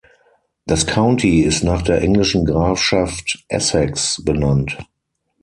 Das County ist nach der englischen Grafschaft Essex benannt.